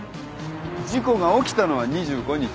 事故が起きたのは２５日。